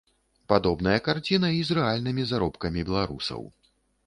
Падобная карціна і з рэальнымі заробкамі беларусаў.